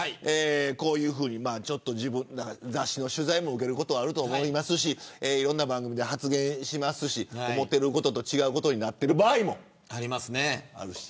こういうふうにちょっと雑誌の取材も受けることもあると思いますしいろんな番組で発言しますし思ったことと違う場合になっていることもあるし。